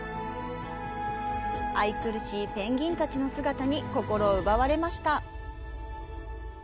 愛くるしいペンギンたちの姿に心を奪われました。